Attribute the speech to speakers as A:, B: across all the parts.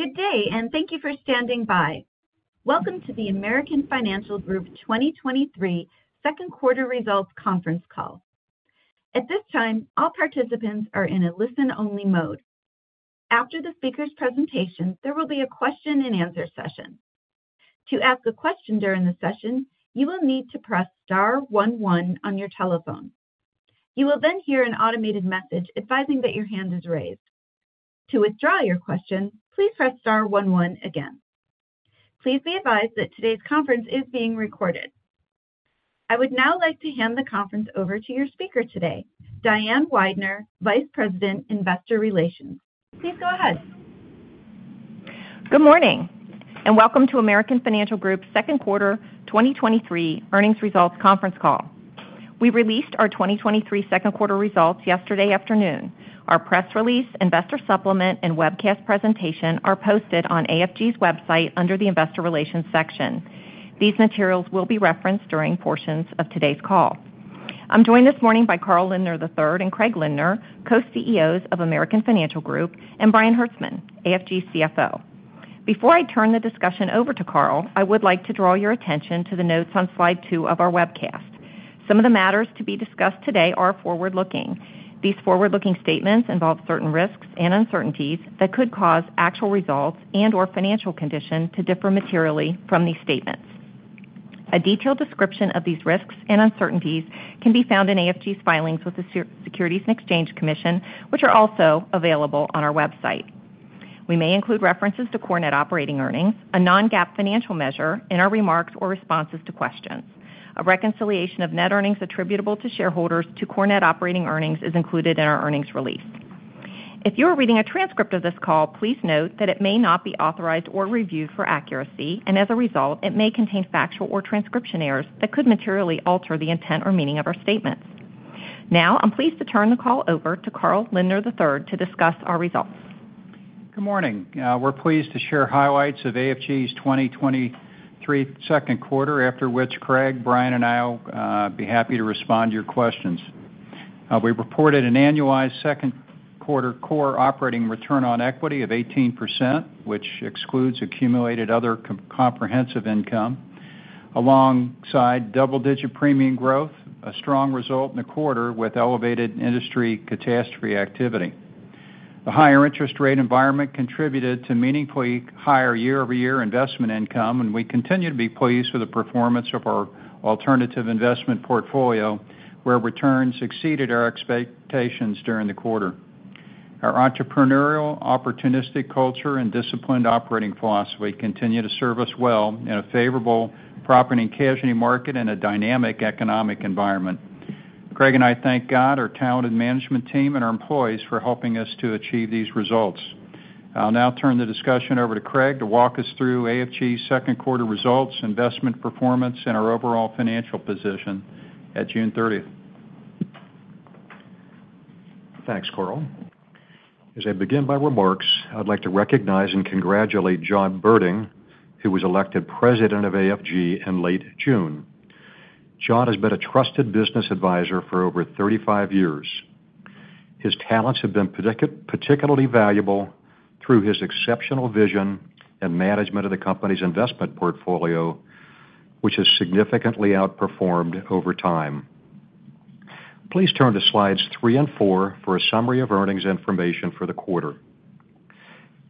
A: Good day. Thank you for standing by. Welcome to the American Financial Group 2023 second quarter results conference call. At this time, all participants are in a listen-only mode. After the speaker's presentation, there will be a question-and-answer session. To ask a question during the session, you will need to press star one one on your telephone. You will then hear an automated message advising that your hand is raised. To withdraw your question, please press star one one again. Please be advised that today's conference is being recorded. I would now like to hand the conference over to your speaker today, Diane Weidner, Vice President, Investor Relations. Please go ahead.
B: Good morning, welcome to American Financial Group's second quarter 2023 earnings results conference call. We released our 2023 second quarter results yesterday afternoon. Our press release, investor supplement, and webcast presentation are posted on AFG's website under the Investor Relations section. These materials will be referenced during portions of today's call. I'm joined this morning by Carl Lindner III and Craig Lindner, Co-CEOs of American Financial Group, and Brian Hertzman, AFG CFO. Before I turn the discussion over to Carl, I would like to draw your attention to the notes on slide two of our webcast. Some of the matters to be discussed today are forward-looking. These forward-looking statements involve certain risks and uncertainties that could cause actual results and/or financial conditions to differ materially from these statements. A detailed description of these risks and uncertainties can be found in AFG's filings with the Securities and Exchange Commission, which are also available on our website. We may include references to core net operating earnings, a non-GAAP financial measure, in our remarks or responses to questions. A reconciliation of net earnings attributable to shareholders to core net operating earnings is included in our earnings release. If you are reading a transcript of this call, please note that it may not be authorized or reviewed for accuracy, and as a result, it may contain factual or transcription errors that could materially alter the intent or meaning of our statements. I'm pleased to turn the call over to Carl Lindner III to discuss our results.
C: Good morning. We're pleased to share highlights of AFG's 2023 second quarter, after which Craig, Brian, and I will be happy to respond to your questions. We reported an annualized second quarter core operating return on equity of 18%, which excludes accumulated other comprehensive income, alongside double-digit premium growth, a strong result in the quarter with elevated industry catastrophe activity. The higher interest rate environment contributed to meaningfully higher year-over-year investment income, and we continue to be pleased with the performance of our alternative investment portfolio, where returns exceeded our expectations during the quarter. Our entrepreneurial, opportunistic culture and disciplined operating philosophy continue to serve us well in a favorable property and casualty market and a dynamic economic environment. Craig and I thank God, our talented management team, and our employees for helping us to achieve these results. I'll now turn the discussion over to Craig to walk us through AFG's second quarter results, investment performance, and our overall financial position at June 30.
D: Thanks, Carl. As I begin my remarks, I'd like to recognize and congratulate John Berding, who was elected president of AFG in late June. John has been a trusted business advisor for over 35 years. His talents have been particularly valuable through his exceptional vision and management of the company's investment portfolio, which has significantly outperformed over time. Please turn to slides three and four for a summary of earnings information for the quarter.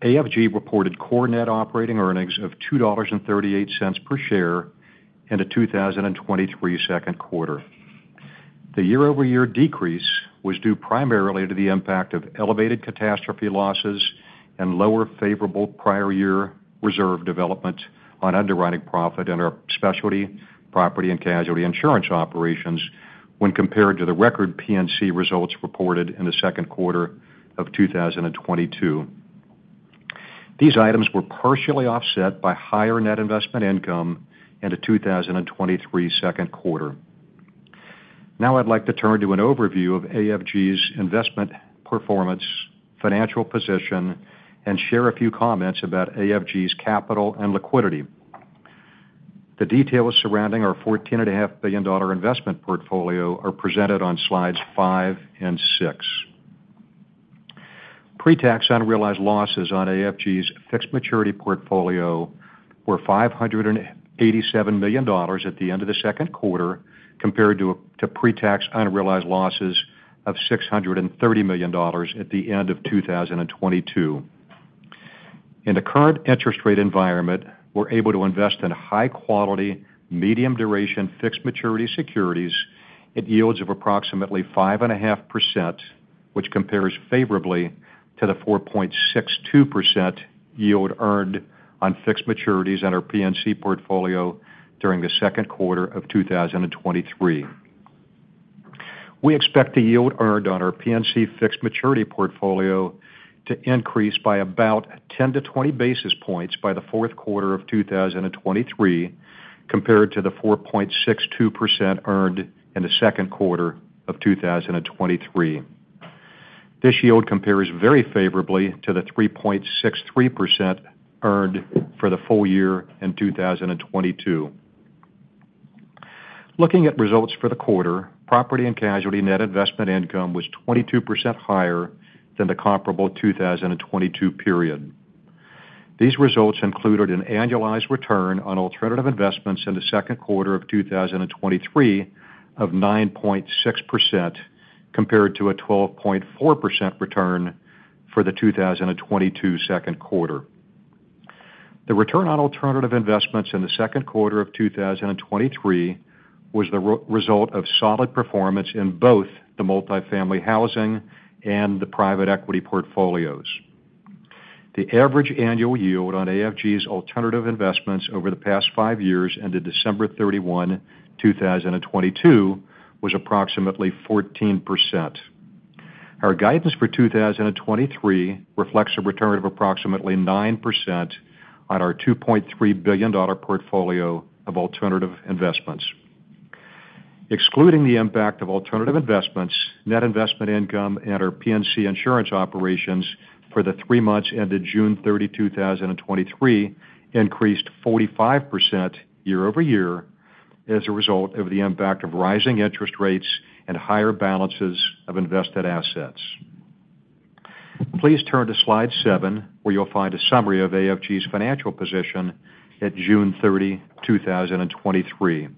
D: AFG reported core net operating earnings of $2.38 per share in the 2023 second quarter. The year-over-year decrease was due primarily to the impact of elevated catastrophe losses and lower favorable prior year reserve development on underwriting profit in our specialty Property and Casualty insurance operations when compared to the record P&C results reported in the second quarter of 2022. These items were partially offset by higher net investment income in the 2023 second quarter. Now I'd like to turn to an overview of AFG's investment performance, financial position, and share a few comments about AFG's capital and liquidity. The details surrounding our $14.5 billion investment portfolio are presented on slides five and six. Pre-tax unrealized losses on AFG's fixed maturity portfolio were $587 million at the end of the second quarter, compared to pre-tax unrealized losses of $630 million at the end of 2022. In the current interest rate environment, we're able to invest in high quality, medium duration, fixed maturity securities at yields of approximately 5.5%, which compares favorably to the 4.62% yield earned on fixed maturities in our P&C portfolio during the second quarter of 2023. We expect the yield earned on our P&C fixed maturity portfolio to increase by about 10-20 basis points by the fourth quarter of 2023, compared to the 4.62% earned in the second quarter of 2023. This yield compares very favorably to the 3.63% earned for the full year in 2022. Looking at results for the quarter, Property and Casualty net investment income was 22% higher than the comparable 2022 period. These results included an annualized return on alternative investments in the second quarter of 2023 of 9.6%, compared to a 12.4% return for the 2022 second quarter. The return on alternative investments in the second quarter of 2023 was the result of solid performance in both the multifamily housing and the private equity portfolios. The average annual yield on AFG's alternative investments over the past five years, ended December 31, 2022, was approximately 14%. Our guidance for 2023 reflects a return of approximately 9% on our $2.3 billion portfolio of alternative investments. Excluding the impact of alternative investments, net investment income at our P&C insurance operations for the three months ended June 30, 2023, increased 45% year-over-year, as a result of the impact of rising interest rates and higher balances of invested assets. Please turn to slide seven, where you'll find a summary of AFG's financial position at June 30, 2023.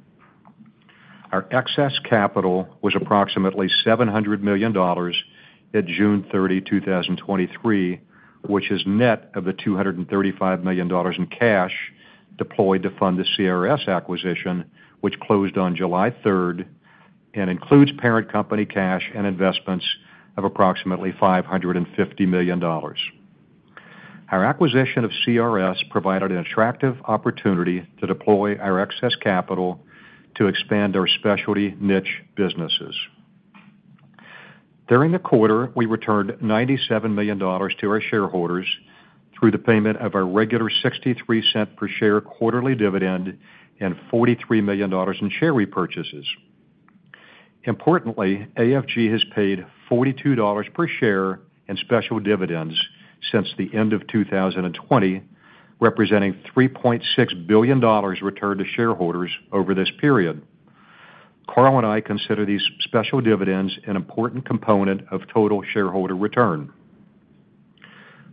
D: Our excess capital was approximately $700 million at June 30, 2023, which is net of the $235 million in cash deployed to fund the CRS acquisition, which closed on July 3rd, and includes parent company cash and investments of approximately $550 million. Our acquisition of CRS provided an attractive opportunity to deploy our excess capital to expand our specialty niche businesses. During the quarter, we returned $97 million to our shareholders through the payment of our regular $0.63 per share quarterly dividend and $43 million in share repurchases. Importantly, AFG has paid $42 per share in special dividends since the end of 2020, representing $3.6 billion returned to shareholders over this period. Carl and I consider these special dividends an important component of total shareholder return.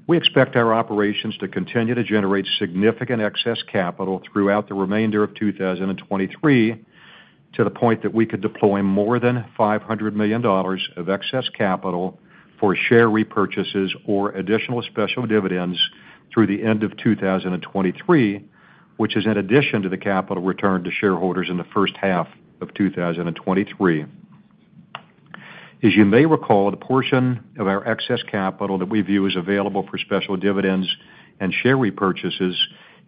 D: We expect our operations to continue to generate significant excess capital throughout the remainder of 2023, to the point that we could deploy more than $500 million of excess capital for share repurchases or additional special dividends through the end of 2023, which is in addition to the capital returned to shareholders in the first half of 2023. As you may recall, the portion of our excess capital that we view as available for special dividends and share repurchases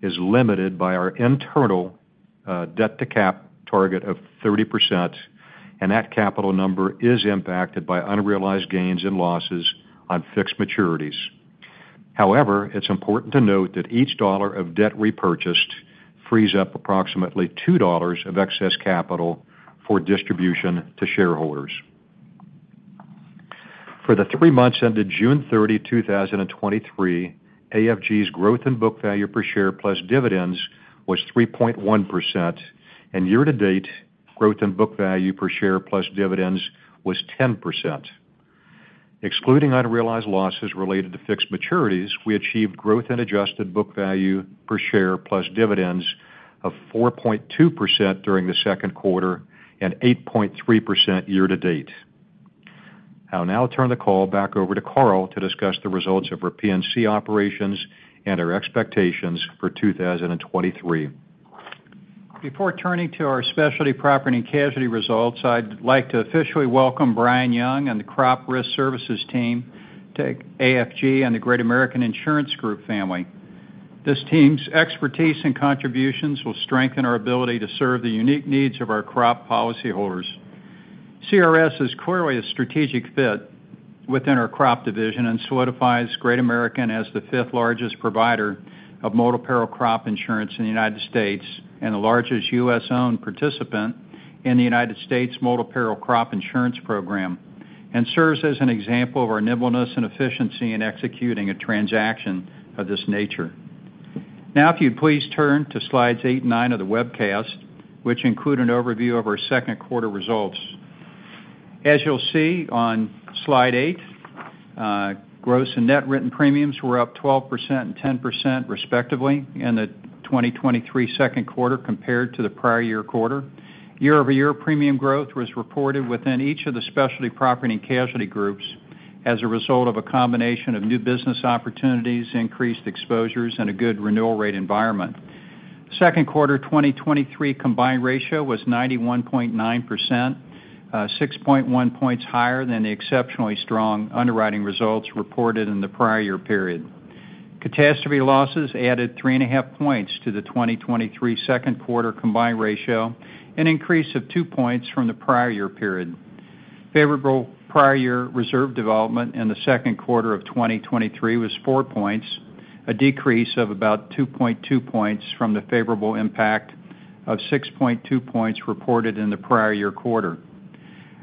D: is limited by our internal, debt-to-cap target of 30%. That capital number is impacted by unrealized gains and losses on fixed maturities. However, it's important to note that each dollar of debt repurchased frees up approximately $2 of excess capital for distribution to shareholders. For the three months ended June 30, 2023, AFG's growth in book value per share plus dividends was 3.1%. Year to date, growth in book value per share plus dividends was 10%. Excluding unrealized losses related to fixed maturities, we achieved growth in adjusted book value per share plus dividends of 4.2% during the second quarter and 8.3% year-to-date. I'll now turn the call back over to Carl to discuss the results of our P&C operations and our expectations for 2023.
C: Before turning to our specialty property and casualty results, I'd like to officially welcome Brian Young and the Crop Risk Services team to AFG and the Great American Insurance Group family. This team's expertise and contributions will strengthen our ability to serve the unique needs of our crop policyholders. CRS is clearly a strategic fit within our crop division and solidifies Great American as the fifth largest provider of multi-peril crop insurance in the United States, the largest U.S.-owned participant in the United States multi-peril crop insurance program, and serves as an example of our nimbleness and efficiency in executing a transaction of this nature. If you'd please turn to slides eight and nine of the webcast, which include an overview of our second quarter results. As you'll see on slide eight, gross and net written premiums were up 12% and 10%, respectively, in the 2023 second quarter compared to the prior year quarter. Year-over-year premium growth was reported within each of the specialty property and casualty groups as a result of a combination of new business opportunities, increased exposures, and a good renewal rate environment. Second quarter 2023 combined ratio was 91.9%, 6.1 points higher than the exceptionally strong underwriting results reported in the prior year period. Catastrophe losses added 3.5 points to the 2023 second quarter combined ratio, an increase of two points from the prior year period. Favorable prior year reserve development in the second quarter of 2023 was four points, a decrease of about 2.2 points from the favorable impact of 6.2 points reported in the prior year quarter.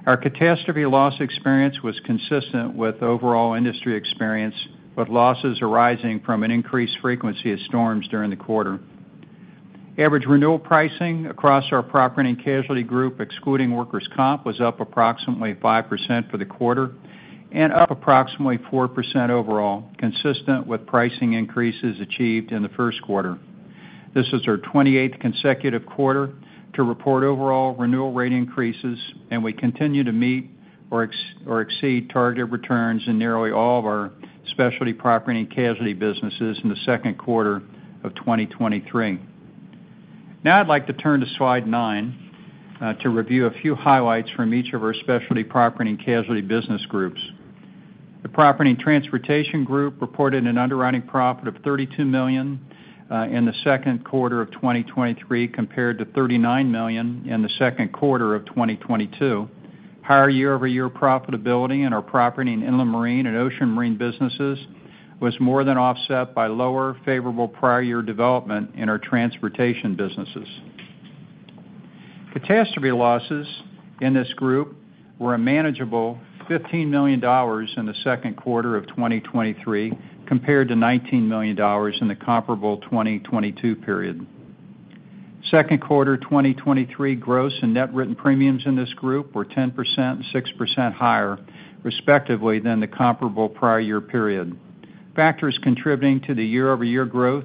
C: Our catastrophe loss experience was consistent with overall industry experience, with losses arising from an increased frequency of storms during the quarter. Average renewal pricing across our Property and Casualty Group, excluding workers' comp, was up approximately 5% for the quarter and up approximately 4% overall, consistent with pricing increases achieved in the first quarter. This is our 28th consecutive quarter to report overall renewal rate increases, and we continue to meet or exceed targeted returns in nearly all of our specialty Property and Casualty businesses in the second quarter of 2023. Now I'd like to turn to slide nine to review a few highlights from each of our Specialty Property and Casualty business groups. The Property and Transportation Group reported an underwriting profit of $32 million in the second quarter of 2023, compared to $39 million in the second quarter of 2022. Higher year-over-year profitability in our property and inland marine and ocean marine businesses was more than offset by lower favorable prior year development in our transportation businesses. Catastrophe losses in this group were a manageable $15 million in the second quarter of 2023, compared to $19 million in the comparable 2022 period. Second quarter 2023 gross and net written premiums in this group were 10% and 6% higher, respectively, than the comparable prior year period. Factors contributing to the year-over-year growth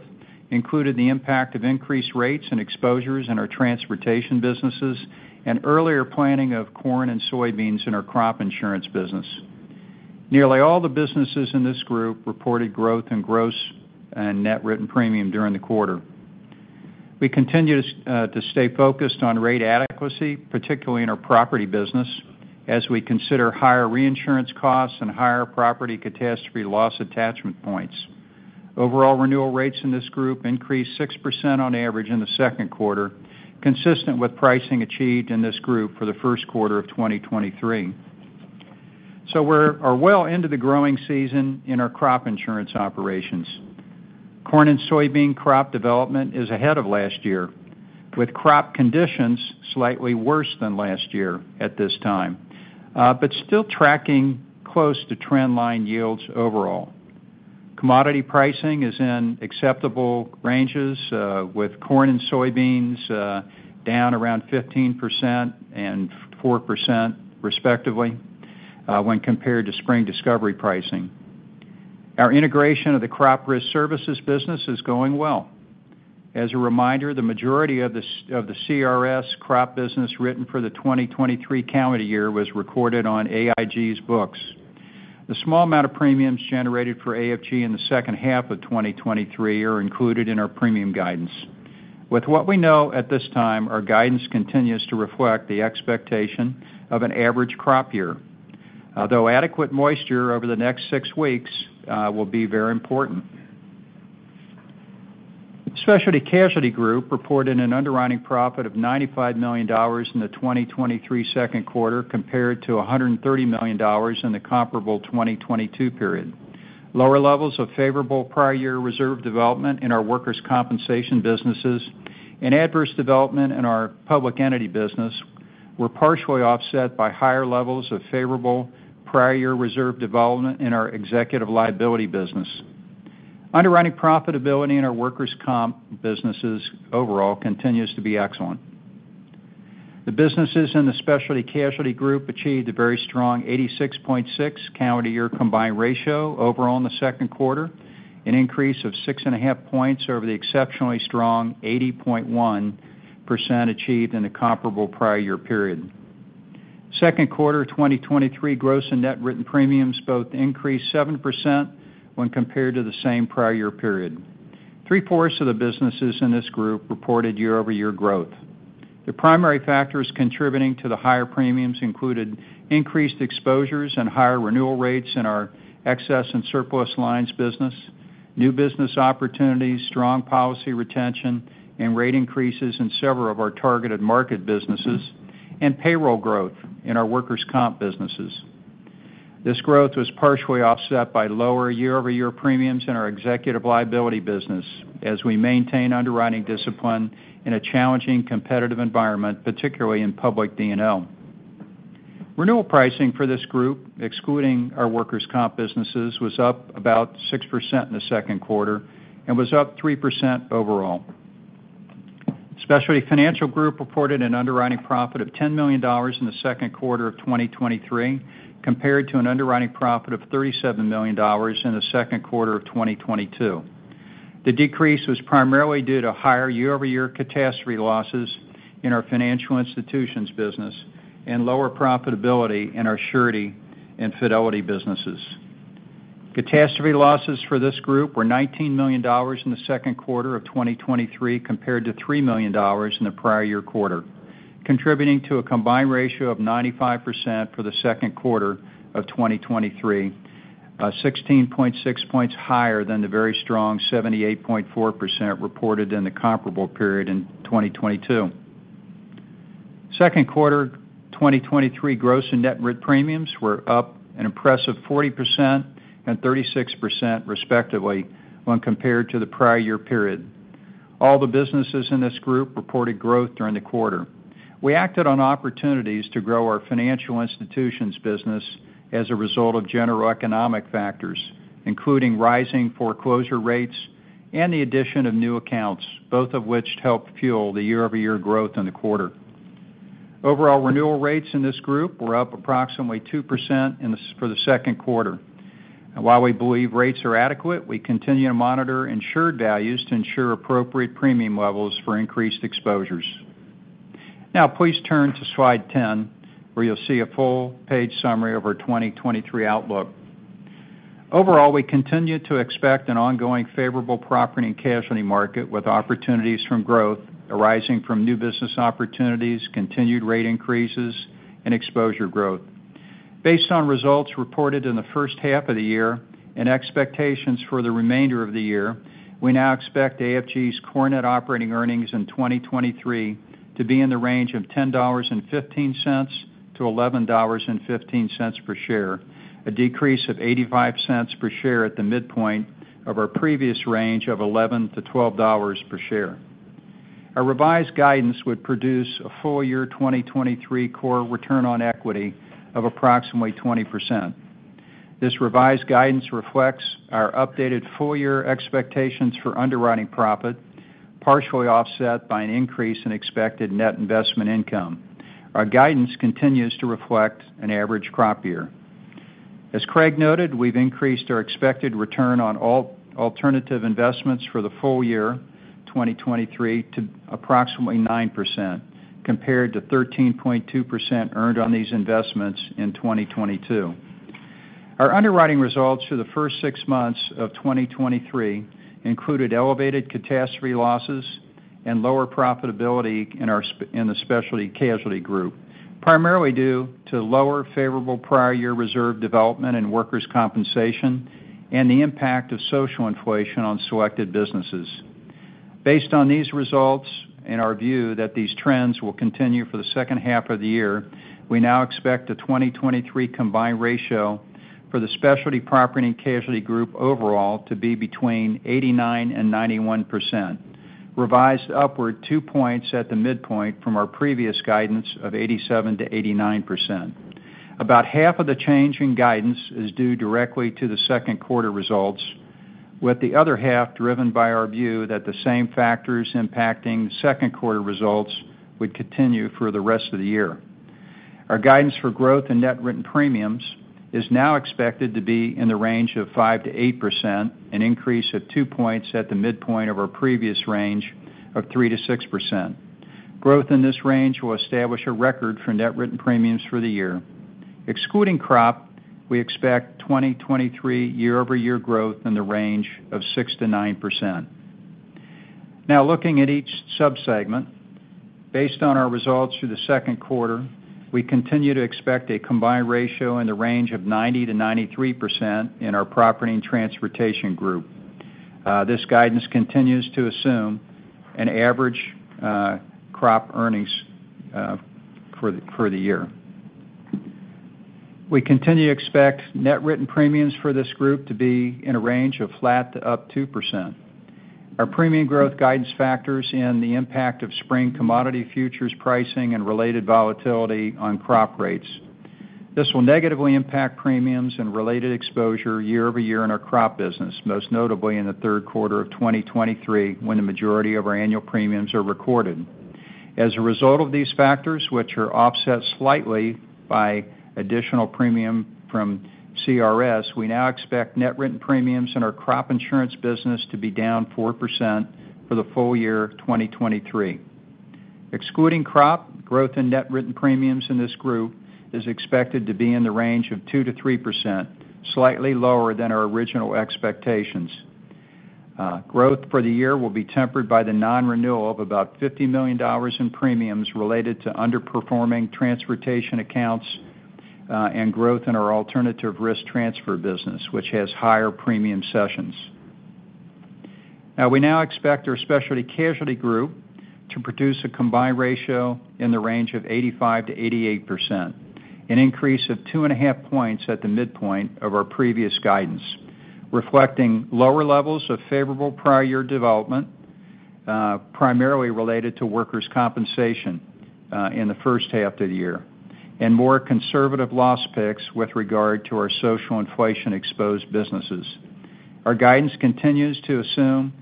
C: included the impact of increased rates and exposures in our transportation businesses and earlier planning of corn and soybeans in our crop insurance business. Nearly all the businesses in this group reported growth in gross and net written premium during the quarter. We continue to stay focused on rate adequacy, particularly in our property business, as we consider higher reinsurance costs and higher property catastrophe loss attachment points. Overall, renewal rates in this group increased 6% on average in the second quarter, consistent with pricing achieved in this group for the first quarter of 2023. We're well into the growing season in our crop insurance operations. Corn and soybean crop development is ahead of last year, with crop conditions slightly worse than last year at this time, but still tracking close to trend line yields overall. Commodity pricing is in acceptable ranges, with corn and soybeans down around 15% and 4%, respectively, when compared to spring discovery pricing. Our integration of the Crop Risk Services business is going well. As a reminder, the majority of the CRS crop business written for the 2023 calendar year was recorded on AIG's books. The small amount of premiums generated for AIG in the second half of 2023 are included in our premium guidance. With what we know at this time, our guidance continues to reflect the expectation of an average crop year, although adequate moisture over the next six weeks will be very important. Specialty Casualty Group reported an underwriting profit of $95 million in the 2023 second quarter, compared to $130 million in the comparable 2022 period. Lower levels of favorable prior year reserve development in our workers' compensation businesses and adverse development in our public entity business were partially offset by higher levels of favorable prior year reserve development in our executive liability business. Underwriting profitability in our workers' comp businesses overall continues to be excellent. The businesses in the Specialty Casualty Group achieved a very strong 86.6 calendar year combined ratio overall in the second quarter, an increase of 6.5 points over the exceptionally strong 80.1% achieved in the comparable prior year period. Second quarter 2023 gross and net written premiums both increased 7% when compared to the same prior year period. Three-fourths of the businesses in this group reported year-over-year growth. The primary factors contributing to the higher premiums included increased exposures and higher renewal rates in our excess and surplus lines business, new business opportunities, strong policy retention, and rate increases in several of our targeted market businesses, and payroll growth in our workers' comp businesses. This growth was partially offset by lower year-over-year premiums in our executive liability business as we maintain underwriting discipline in a challenging competitive environment, particularly in public D&O. Renewal pricing for this group, excluding our workers' comp businesses, was up about 6% in the second quarter and was up 3% overall. Specialty Financial Group reported an underwriting profit of $10 million in the second quarter of 2023, compared to an underwriting profit of $37 million in the second quarter of 2022. The decrease was primarily due to higher year-over-year catastrophe losses in our financial institutions business and lower profitability in our surety and fidelity businesses. Catastrophe losses for this group were $19 million in the second quarter 2023, compared to $3 million in the prior year quarter, contributing to a combined ratio of 95% for the second quarter 2023, 16.6 points higher than the very strong 78.4% reported in the comparable period in 2022. Second quarter 2023 gross and net written premiums were up an impressive 40% and 36%, respectively, when compared to the prior year period. All the businesses in this group reported growth during the quarter. We acted on opportunities to grow our financial institutions business as a result of general economic factors, including rising foreclosure rates and the addition of new accounts, both of which helped fuel the year-over-year growth in the quarter. Overall, renewal rates in this group were up approximately 2% for the second quarter. While we believe rates are adequate, we continue to monitor insured values to ensure appropriate premium levels for increased exposures. Please turn to slide 10, where you'll see a full page summary of our 2023 outlook. Overall, we continue to expect an ongoing favorable Property and Casualty market, with opportunities from growth arising from new business opportunities, continued rate increases, and exposure growth. Based on results reported in the first half of the year and expectations for the remainder of the year, we now expect AFG's core net operating earnings in 2023 to be in the range of $10.15-$11.15 per share, a decrease of $0.85 per share at the midpoint of our previous range of $11-$12 per share. Our revised guidance would produce a full year 2023 core return on equity of approximately 20%. This revised guidance reflects our updated full year expectations for underwriting profit, partially offset by an increase in expected net investment income. Our guidance continues to reflect an average crop year. As Craig Lindner noted, we've increased our expected return on alternative investments for the full year, 2023, to approximately 9%, compared to 13.2% earned on these investments in 2022. Our underwriting results for the first six months of 2023 included elevated catastrophe losses and lower profitability in the Specialty Casualty Group, primarily due to lower favorable prior year reserve development and workers' compensation, and the impact of social inflation on selected businesses. Based on these results, our view that these trends will continue for the second half of the year, we now expect the 2023 combined ratio for the Specialty Property and Casualty Group overall to be between 89% and 91%, revised upward two points at the midpoint from our previous guidance of 87%-89%. About half of the change in guidance is due directly to the second quarter results, with the other half driven by our view that the same factors impacting second quarter results would continue through the rest of the year. Our guidance for growth and net written premiums is now expected to be in the range of 5%-8%, an increase of two points at the midpoint of our previous range of 3%-6%. Growth in this range will establish a record for net written premiums for the year. Excluding crop, we expect 2023 year-over-year growth in the range of 6%-9%. Now looking at each sub-segment. Based on our results through the second quarter, we continue to expect a combined ratio in the range of 90%-93% in our Property and Transportation Group. This guidance continues to assume an average crop earnings for the year. We continue to expect net written premiums for this group to be in a range of flat to up 2%. Our premium growth guidance factors in the impact of Spring Commodity Futures Pricing and related volatility on crop rates. This will negatively impact premiums and related exposure year-over-year in our crop business, most notably in the third quarter of 2023, when the majority of our annual premiums are recorded. As a result of these factors, which are offset slightly by additional premium from CRS, we now expect net written premiums in our crop insurance business to be down 4% for the full year of 2023. Excluding crop, growth in net written premiums in this group is expected to be in the range of 2%-3%, slightly lower than our original expectations. Growth for the year will be tempered by the non-renewal of about $50 million in premiums related to underperforming transportation accounts, and growth in our alternative risk transfer business, which has higher premium cessions. Now, we now expect our Specialty Casualty Group to produce a combined ratio in the range of 85%-88%, an increase of 2.5 points at the midpoint of our previous guidance, reflecting lower levels of favorable prior year development, primarily related to workers' compensation, in the first half of the year, and more conservative loss picks with regard to our social inflation-exposed businesses. Our guidance continues to assume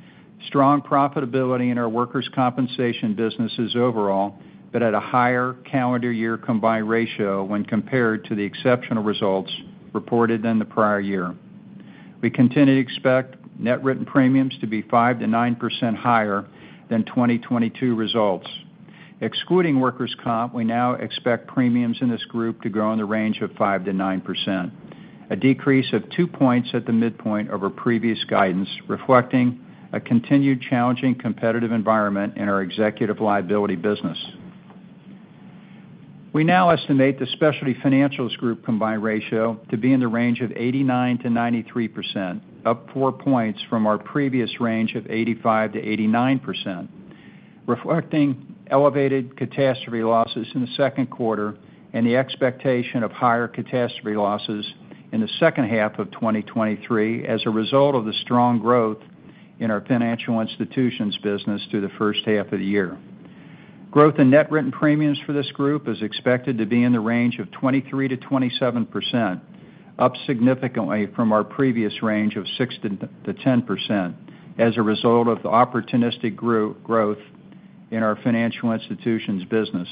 C: strong profitability in our workers' compensation businesses overall, but at a higher calendar year combined ratio when compared to the exceptional results reported in the prior year. We continue to expect net written premiums to be 5%-9% higher than 2022 results. Excluding workers' comp, we now expect premiums in this group to grow in the range of 5%-9%, a decrease of two points at the midpoint of our previous guidance, reflecting a continued challenging competitive environment in our executive liability business. We now estimate the Specialty Financial Group combined ratio to be in the range of 89%-93%, up four points from our previous range of 85%-89%.... reflecting elevated catastrophe losses in the second quarter, and the expectation of higher catastrophe losses in the second half of 2023 as a result of the strong growth in our financial institutions business through the first half of the year. Growth in net written premiums for this group is expected to be in the range of 23%-27%, up significantly from our previous range of 6%-10%, as a result of the opportunistic growth in our financial institutions business.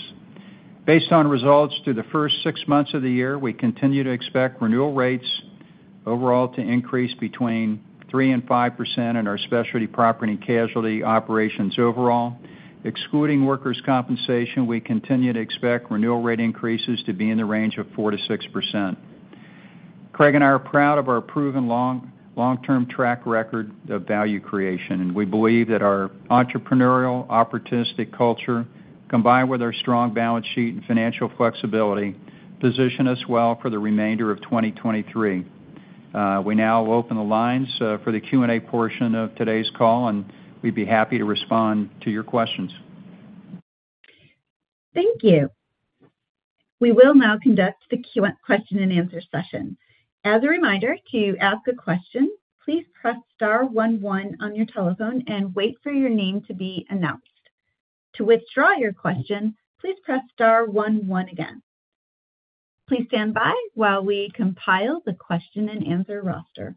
C: Based on results through the first six months of the year, we continue to expect renewal rates overall to increase between 3%-5% in our Specialty Property & Casualty operations overall. Excluding workers' compensation, we continue to expect renewal rate increases to be in the range of 4%-6%. Craig and I are proud of our proven long, long-term track record of value creation, and we believe that our entrepreneurial, opportunistic culture, combined with our strong balance sheet and financial flexibility, position us well for the remainder of 2023. We now open the lines for the Q&A portion of today's call, and we'd be happy to respond to your questions.
A: Thank you. We will now conduct the question and answer session. As a reminder, to ask a question, please press star one, one on your telephone and wait for your name to be announced. To withdraw your question, please press star one, one again. Please stand by while we compile the question and answer roster.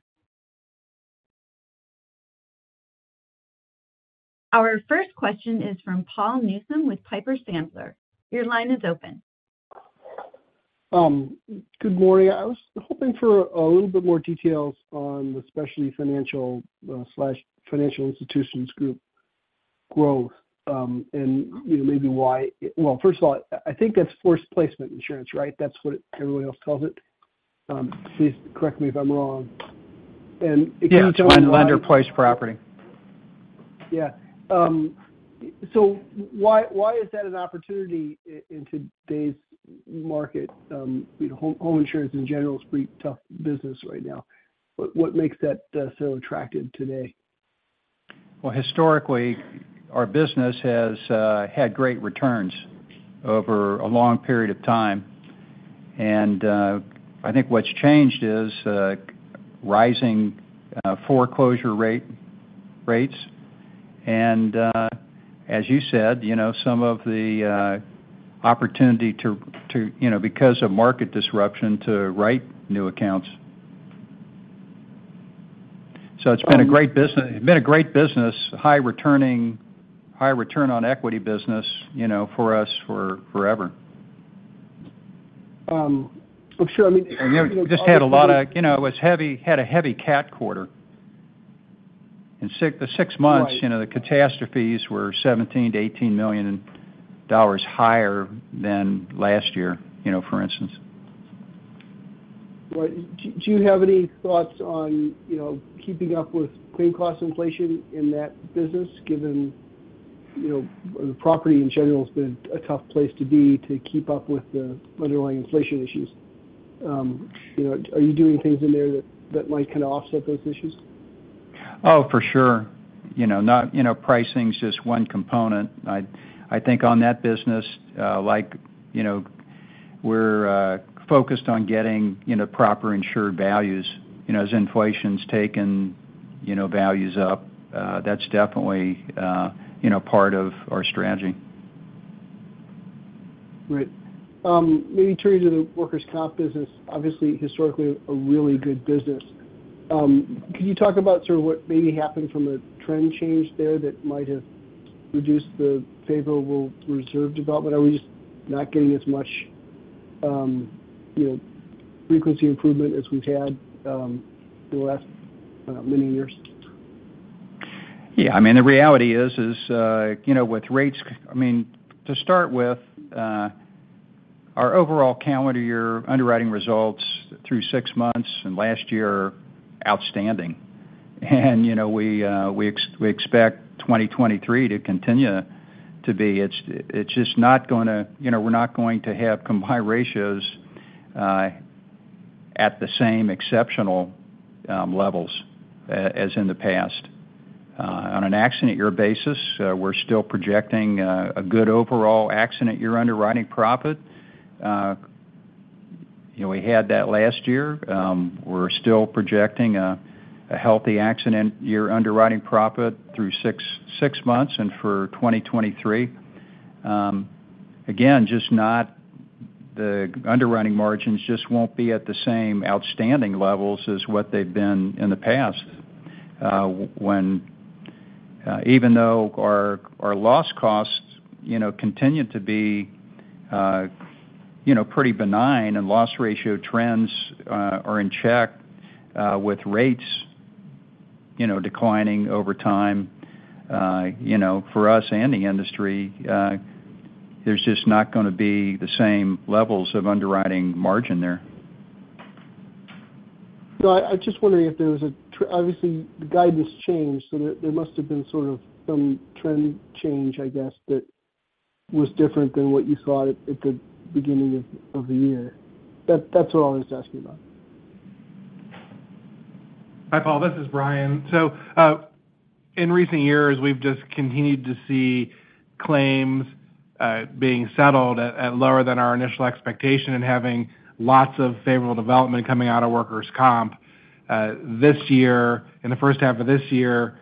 A: Our first question is from Paul Newsome with Piper Sandler. Your line is open.
E: Good morning. I was hoping for a little bit more details on the Specialty Financial slash Financial Institutions Group growth. You know, maybe why-- well, first of all, I think that's forced placement insurance, right? That's what everyone else calls it. Please correct me if I'm wrong. Can you tell me-
C: Yeah, lender-placed property.
E: Yeah. Why, why is that an opportunity in today's market? You know, home insurance in general is pretty tough business right now. What, what makes that so attractive today?
C: Well, historically, our business has had great returns over a long period of time. I think what's changed is rising foreclosure rate, rates. As you said, you know, some of the opportunity to, you know, because of market disruption, to write new accounts. It's been a great business, been a great business, high returning, high return on equity business, you know, for us for forever.
E: well, sure. I mean-
C: We just had a lot of, you know, it was heavy, had a heavy cat quarter.
E: Right...
C: you know, the catastrophes were $17 million-$18 million higher than last year, you know, for instance.
E: Right. Do, do you have any thoughts on, you know, keeping up with claim cost inflation in that business, given, you know, property in general has been a tough place to be to keep up with the underlying inflation issues? You know, are you doing things in there that, that might kind of offset those issues?
C: Oh, for sure. You know, not, you know, pricing is just one component. I, I think on that business, like, you know, we're focused on getting, you know, proper insured values. You know, as inflation's taken, you know, values up, that's definitely, you know, part of our strategy.
E: Great. Maybe turning to the workers' comp business, obviously, historically, a really good business. Could you talk about sort of what maybe happened from a trend change there that might have reduced the favorable reserve development? Are we just not getting as much, you know, frequency improvement as we've had, the last, many years?
C: Yeah, I mean, the reality is, is, you know, with rates-- I mean, to start with, our overall calendar year underwriting results through six months and last year are outstanding. You know, we, we ex- we expect 2023 to continue to be. It's, it's just not gonna... You know, we're not going to have combined ratios, at the same exceptional, levels, as in the past. On an accident year basis, we're still projecting, a good overall accident year underwriting profit. You know, we had that last year. We're still projecting, a healthy accident year underwriting profit through six, six months and for 2023. Again, the underwriting margins just won't be at the same outstanding levels as what they've been in the past, when, even though our, our loss costs, you know, continue to be, you know, pretty benign and loss ratio trends, are in check, with rates, you know, declining over time, you know, for us and the industry, there's just not gonna be the same levels of underwriting margin there.
E: No, I just wondering if there was obviously, the guidance changed, so there must have been sort of some trend change, I guess, that was different than what you thought at the beginning of the year. That's what I was asking about.
F: Hi, Paul, this is Brian. In recent years, we've just continued to see claims being settled at, at lower than our initial expectation and having lots of favorable development coming out of workers' comp. This year, in the first half of this year,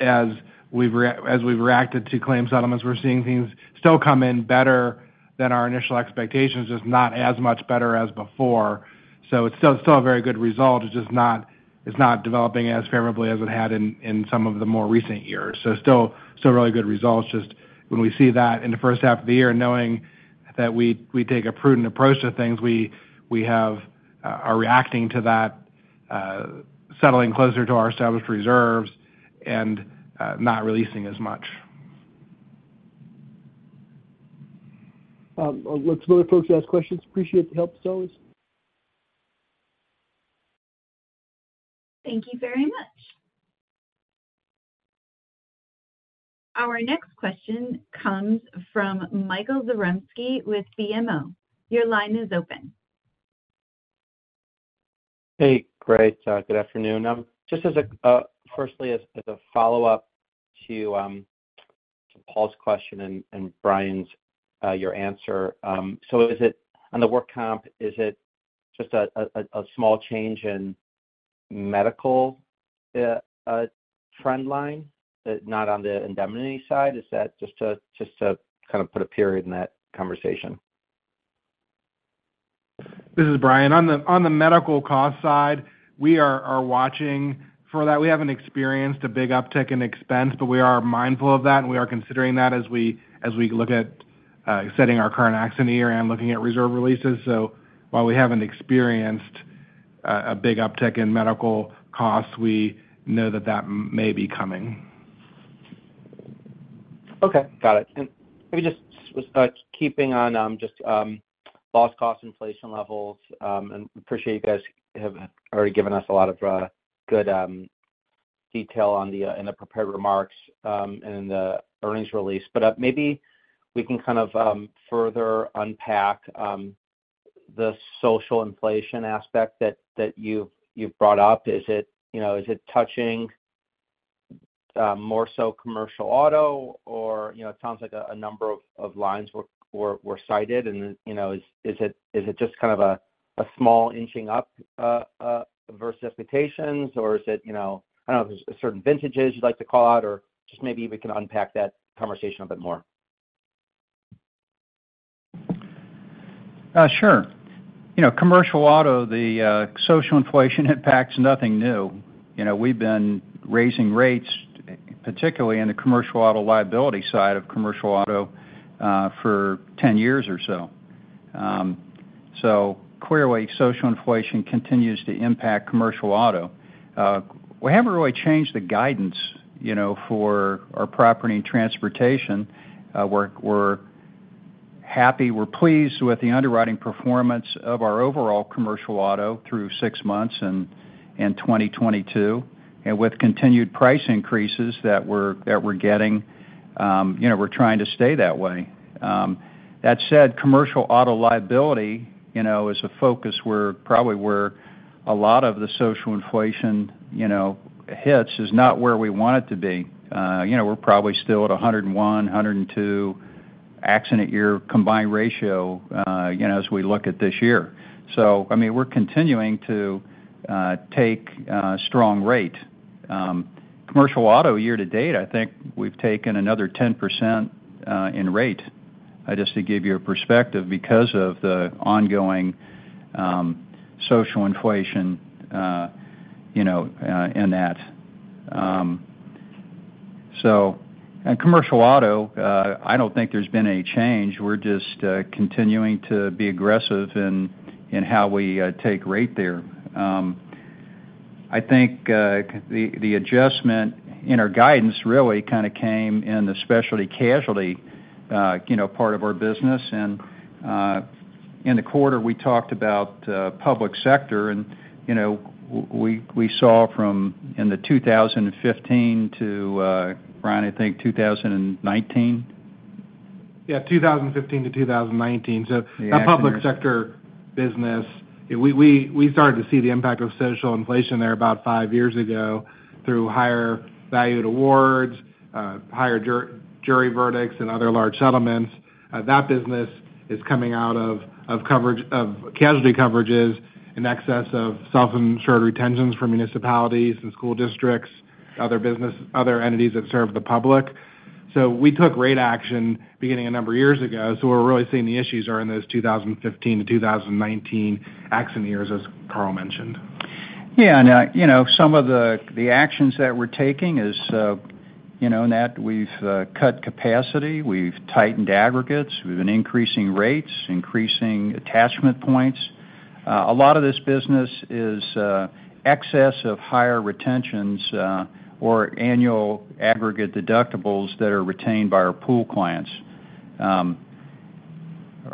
F: as we've re- as we've reacted to claims settlements, we're seeing things still come in better than our initial expectations, just not as much better as before. It's still, still a very good result. It's just not, it's not developing as favorably as it had in, in some of the more recent years. Still, still really good results, just when we see that in the first half of the year, knowing that we, we take a prudent approach to things, we, we have, are reacting to that, settling closer to our established reserves and, not releasing as much.
E: Let's let other folks ask questions. Appreciate the help, fellas.
A: Thank you very much. Our next question comes from Michael Zaremski with BMO. Your line is open.
G: Hey, great. Good afternoon. Just as a, firstly, as, as a follow-up to, to Paul's question and, and Brian's, your answer. Is it, on the work comp, is it just a, a small change in medical, trend line, not on the indemnity side? Is that just to, just to kind of put a period in that conversation?
F: This is Brian. On the, on the medical cost side, we are, are watching for that. We haven't experienced a big uptick in expense, but we are mindful of that, and we are considering that as we, as we look at setting our current accident year and looking at reserve releases. While we haven't experienced a big uptick in medical costs, we know that that may be coming.
G: Okay, got it. Maybe just keeping on loss cost inflation levels, and appreciate you guys have already given us a lot of good detail on the in the prepared remarks and in the earnings release. Maybe we can kind of further unpack the social inflation aspect that you've brought up. Is it, you know, is it touching more so commercial auto or, you know, it sounds like a number of lines were cited and, you know, is it just kind of a small inching up versus expectations? Or is it, you know, I don't know if there's certain vintages you'd like to call out, or just maybe we can unpack that conversation a bit more.
C: Sure. You know, commercial auto, the social inflation impact's nothing new. You know, we've been raising rates, particularly in the commercial auto liability side of commercial auto, for 10 years or so. So clearly, social inflation continues to impact commercial auto. We haven't really changed the guidance, you know, for our Property and Transportation. We're, we're happy, we're pleased with the underwriting performance of our overall commercial auto through six months in, in 2022. With continued price increases that we're, that we're getting, you know, we're trying to stay that way. That said, commercial auto liability, you know, is a focus where, probably where a lot of the social inflation, you know, hits, is not where we want it to be. you know, we're probably still at 101, 102 accident year combined ratio, you know, as we look at this year. I mean, we're continuing to take strong rate. Commercial auto, year to date, I think we've taken another 10% in rate, just to give you a perspective, because of the ongoing social inflation, you know, in that. In commercial auto, I don't think there's been any change. We're just continuing to be aggressive in, in how we take rate there. I think the adjustment in our guidance really kind of came in the specialty casualty, you know, part of our business. In the quarter, we talked about Public Sector and, you know, we saw from in the 2015 to, Brian, I think 2019?
F: Yeah, 2015-2019.
C: Yeah.
F: That public sector business, we started to see the impact of social inflation there about five years ago through higher valued awards, higher jury verdicts and other large settlements. That business is coming out of coverage, of casualty coverages in excess of self-insured retentions for municipalities and school districts, other business, other entities that serve the public. We took rate action beginning a number of years ago, so we're really seeing the issues are in those 2015-2019 accident years, as Carl mentioned.
C: Yeah, you know, some of the actions that we're taking is, you know, in that we've cut capacity, we've tightened aggregates, we've been increasing rates, increasing attachment points. A lot of this business is excess of higher retentions, or annual aggregate deductibles that are retained by our pool clients.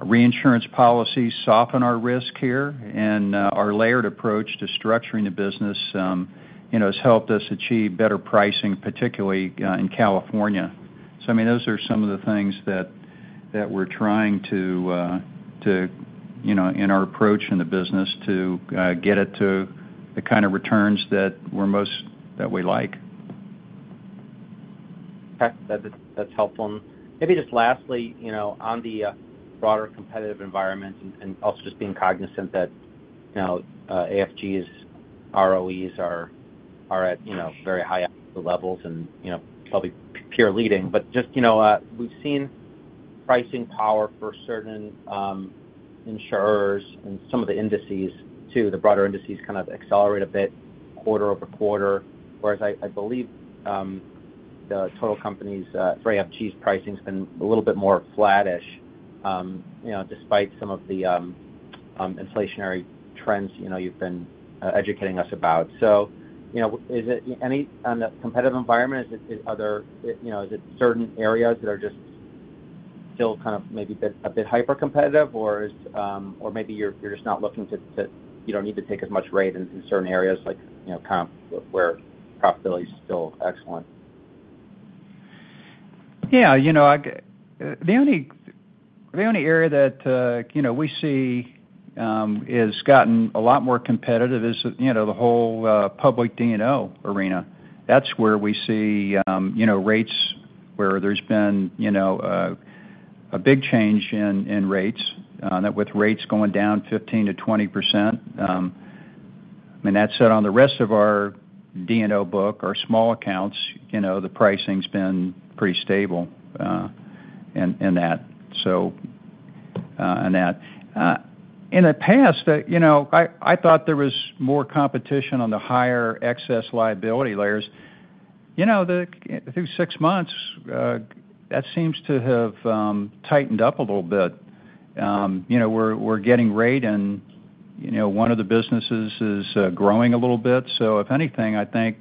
C: Reinsurance policies soften our risk here, and our layered approach to structuring the business, you know, has helped us achieve better pricing, particularly in California. I mean, those are some of the things that we're trying to, to, you know, in our approach in the business to get it to the kind of returns that we like.
G: Okay. That's, that's helpful. Maybe just lastly, you know, on the broader competitive environment, and, and also just being cognizant that, you know, AFG's ROEs are, are at, you know, very high levels and, you know, probably peer leading. We've seen pricing power for certain insurers and some of the indices, too. The broader indices kind of accelerate a bit quarter-over-quarter, whereas I, I believe, the total company's AFG's pricing has been a little bit more flattish, you know, despite some of the inflationary trends, you know, you've been educating us about. Is it any, on the competitive environment, is it, is other, you know, is it certain areas that are just still kind of maybe bit, a bit hypercompetitive? You don't need to take as much rate in certain areas like, you know, comp, where profitability is still excellent.
C: Yeah, you know, the only, the only area that, you know, we see has gotten a lot more competitive is, you know, the whole public D&O arena. That's where we see, you know, rates where there's been, you know, a big change in rates, and with rates going down 15%-20%. I mean, that said, on the rest of our D&O book, our small accounts, you know, the pricing's been pretty stable in that, so in that. In the past, you know, I, I thought there was more competition on the higher excess liability layers. You know, through six months, that seems to have tightened up a little bit. You know, we're getting rate and, you know, one of the businesses is growing a little bit. If anything, I think,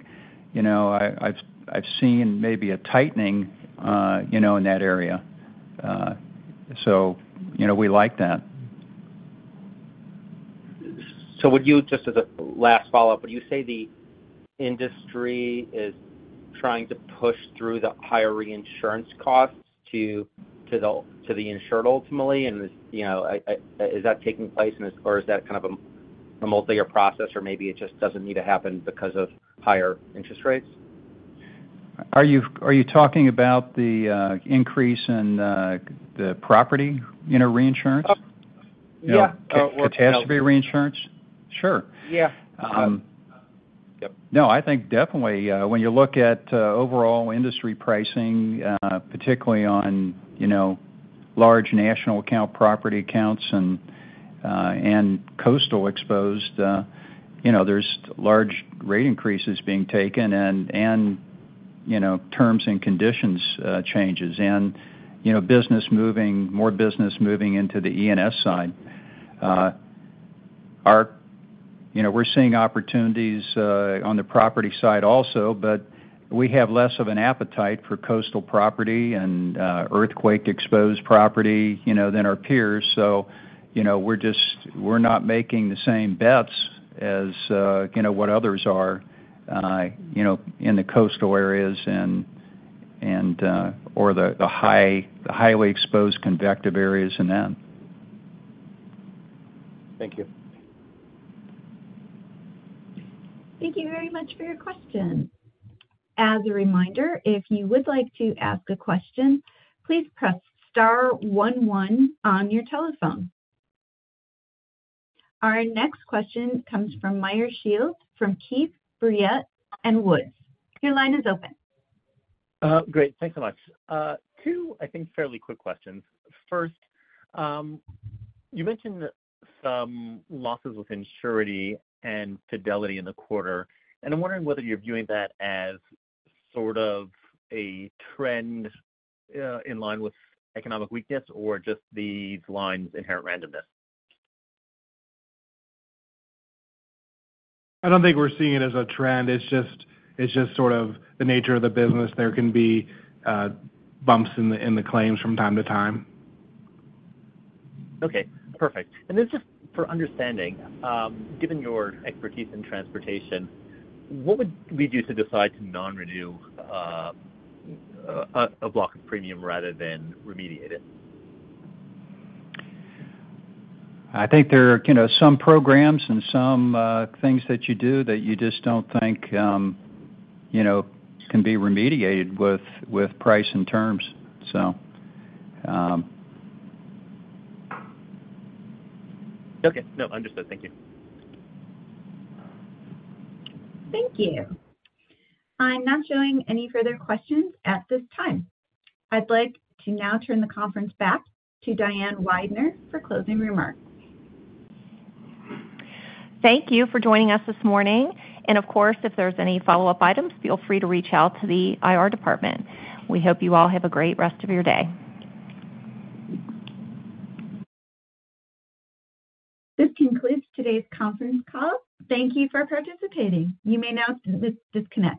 C: you know, I've seen maybe a tightening, you know, in that area. You know, we like that.
G: Just as a last follow-up, would you say the industry is trying to push through the higher reinsurance costs to, to the, to the insured, ultimately? And, you know, is that taking place, and as far as that kind of a multi-year process, or maybe it just doesn't need to happen because of higher interest rates?
C: Are you, are you talking about the increase in the property, you know, reinsurance?
G: Oh, yeah.
C: Catastrophe reinsurance? Sure.
G: Yeah. Yep.
C: No, I think definitely, when you look at, overall industry pricing, particularly on, you know, large national account, property accounts, and, and coastal exposed, you know, there's large rate increases being taken and, and, you know, terms and conditions, changes. You know, business moving, more business moving into the E&S side. Our You know, we're seeing opportunities, on the property side also, but we have less of an appetite for coastal property and, earthquake-exposed property, you know, than our peers. You know, we're just, we're not making the same bets as, you know, what others are, you know, in the coastal areas and, and, or the, the high, highly exposed convective areas in them.
G: Thank you.
A: Thank you very much for your question. As a reminder, if you would like to ask a question, please press star one, one on your telephone. Our next question comes from Meyer Shields from Keefe, Bruyette & Woods. Your line is open.
H: Great. Thanks so much. two, I think, fairly quick questions. First, you mentioned some losses with surety and fidelity in the quarter, and I'm wondering whether you're viewing that as sort of a trend, in line with economic weakness or just these lines' inherent randomness?
G: I don't think we're seeing it as a trend. It's just, it's just sort of the nature of the business. There can be bumps in the, in the claims from time to time.
H: Okay, perfect. Then just for understanding, given your expertise in transportation, what would lead you to decide to non-renew a block of premium rather than remediate it?
C: I think there are, you know, some programs and some, things that you do that you just don't think, you know, can be remediated with, with price and terms.
H: Okay. No, understood. Thank you.
A: Thank you. I'm not showing any further questions at this time. I'd like to now turn the conference back to Diane Weidner for closing remarks.
B: Thank you for joining us this morning. Of course, if there's any follow-up items, feel free to reach out to the IR department. We hope you all have a great rest of your day.
A: This concludes today's conference call. Thank you for participating. You may now dis-disconnect.